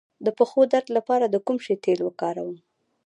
د پښو درد لپاره د کوم شي تېل وکاروم؟